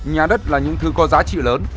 nhà đất là những thứ có giá trị lớn